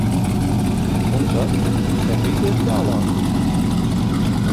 Un tad skatīties tālāk.